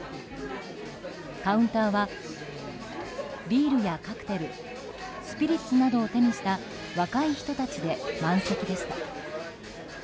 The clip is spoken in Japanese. カウンターは、ビールやカクテルスピリッツなどを手にした若い人たちで満席でした。